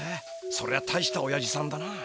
そりゃ大したおやじさんだな。